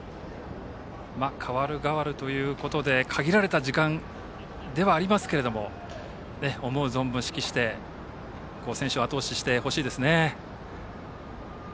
代わる代わるということで限られた時間ではありますけど思う存分、指揮して選手をあと押ししてほしいですね。